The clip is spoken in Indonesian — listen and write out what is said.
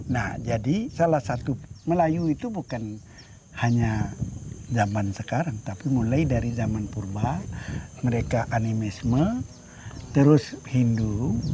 nah jadi salah satu melayu itu bukan hanya zaman sekarang tapi mulai dari zaman purba mereka animesme terus hindu